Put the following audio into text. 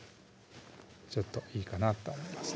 ちょっといいかなとは思います